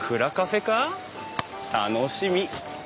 楽しみ！